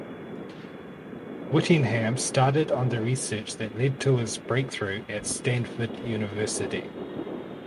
Whittingham started on the research that led to his breakthrough at Stanford University.